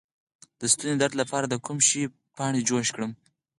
د ستوني د درد لپاره د کوم شي پاڼې جوش کړم؟